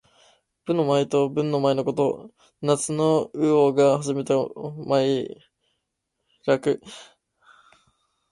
武の舞と文の舞のこと。夏の禹王が始めた舞楽。「干戚」はたてとまさかりを持って舞う、武の舞のこと。「羽旄」は雉の羽と旄牛の尾で作った飾りを持って舞う、文の舞の意。